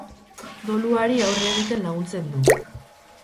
Doluari aurre egiten laguntzen du.